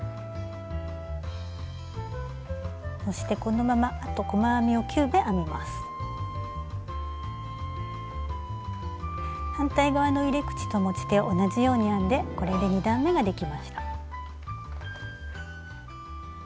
そしてこのまま反対側の入れ口と持ち手を同じように編んでこれで２段めができました。